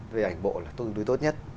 về ảnh bộ là tương đối tốt nhất